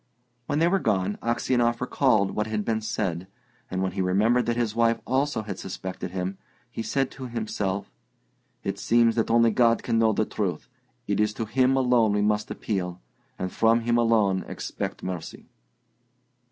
When they were gone, Aksionov recalled what had been said, and when he remembered that his wife also had suspected him, he said to himself, "It seems that only God can know the truth; it is to Him alone we must appeal, and from Him alone expect mercy."